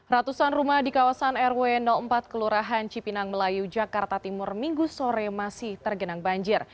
ratusan rumah di kawasan rw empat kelurahan cipinang melayu jakarta timur minggu sore masih tergenang banjir